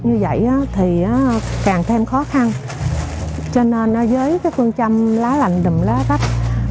như vậy thì càng thêm khó khăn cho nên với phương châm lá lạnh đùm lá rách